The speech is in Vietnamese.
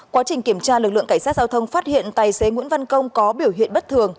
quá trình kiểm tra lực lượng cảnh sát giao thông phát hiện tài xế nguyễn văn công có biểu hiện bất thường